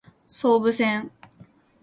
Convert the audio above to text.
総武線